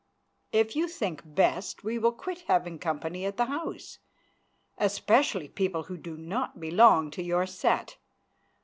If you think best we will quit having company at the house, especially people who do not belong to your set.